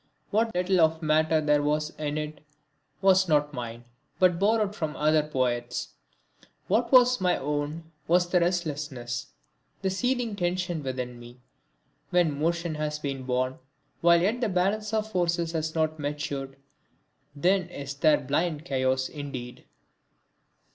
What little of matter there was in it was not mine, but borrowed from other poets. What was my own was the restlessness, the seething tension within me. When motion has been born, while yet the balance of forces has not matured, then is there blind chaos indeed.